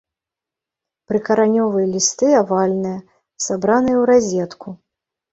Прыкаранёвыя лісты авальныя, сабраныя ў разетку.